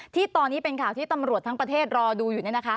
ที่ตอนนี้เป็นข่าวที่ตำรวจทั้งประเทศรอดูอยู่